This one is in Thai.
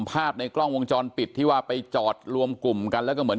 ภาพในกล้องวงจรปิดที่ว่าไปจอดรวมกลุ่มกันแล้วก็เหมือน